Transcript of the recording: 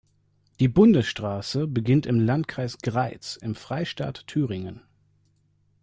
Die Bundesstraße beginnt im Landkreis Greiz im Freistaat Thüringen.